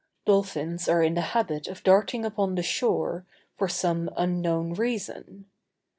Dolphins are in the habit of darting upon the shore, for some unknown reason.